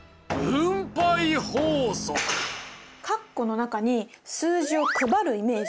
括弧の中に数字を配るイメージね。